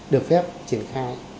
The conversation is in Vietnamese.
được phép triển khai